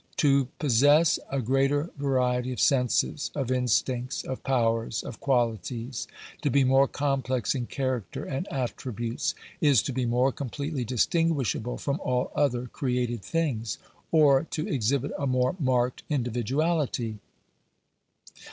To possess a greater variety of senses, of instincts, of powers, of qualities — to be more complex in character and attributes, is to be more completely distinguishable from all other created things; or to exhibit a more marked individuality.